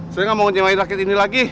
saya nggak mau ngejemahin rakit ini lagi